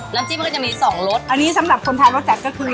น้ำจิ้มก็จะมี๒รสอันนี้สำหรับคนทานแล้วจัดก็คือ